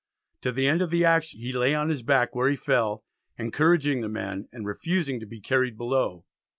To the end of the action he lay on his back where he fell, encouraging the men, and refusing to be carried below.